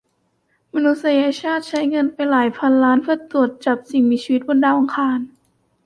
มนุษยชาติใช้เงินไปหลายพันล้านเพื่อตรวจจับสิ่งมีชีวิตบนดาวอังคาร